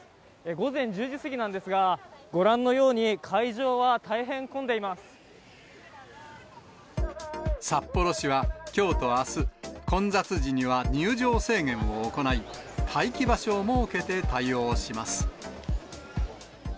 午前１０時過ぎなんですが、ご覧のように、札幌市はきょうとあす、混雑時には入場制限を行い、待機場所を設けて対応します。